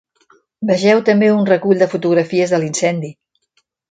Vegeu també un recull de fotografies de l’incendi.